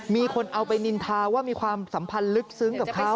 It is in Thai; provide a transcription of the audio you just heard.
มีคนเอาไปนินทาว่ามีความสัมพันธ์ลึกซึ้งกับเขา